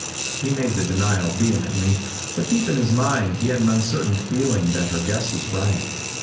He made the denial vehemently, but deep in his mind he had an uncertain feeling that her guess was right.